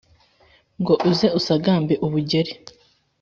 ngo uze usagambe ubujyeri.